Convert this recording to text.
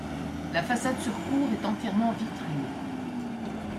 La façade sur cour est entièrement vitrée.